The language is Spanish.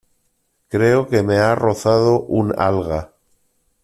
Creo que me ha rozado un alga.